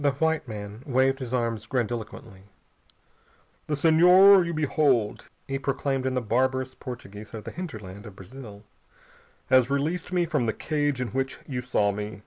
The white man waved his arms grandiloquently. "The Senhor you behold," he proclaimed in the barbarous Portugese of the hinterland of Brazil, "has released me from the cage in which you saw me.